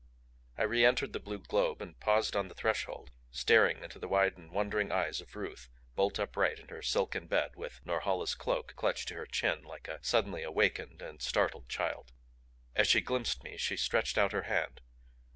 I reentered the blue globe and paused on the threshold staring into the wide and wondering eyes of Ruth bolt upright in her silken bed with Norhala's cloak clutched to her chin like a suddenly awakened and startled child. As she glimpsed me she stretched out her hand.